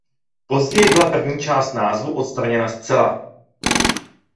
Později byla první část názvu odstraněna zcela.